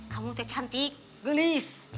kamu tuh cantik gelis